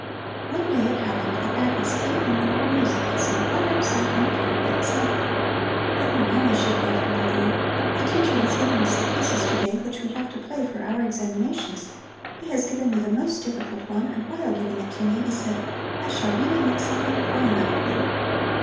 One day it happened that Agnes came home from her music lesson quite upset and terribly excited. "Oh, Mama," she called from the door, "the teacher has given us the pieces today which we have to play for our examinations. He has given me the most difficult one, and while giving it to me he said: 'I shall really make something fine out of you.'"